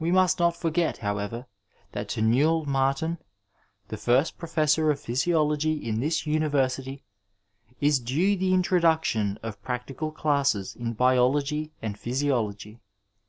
We must not forget however that to Newell Martin, the first professor of physiology in this university, is due the introduction of practical classes in biology and physiology.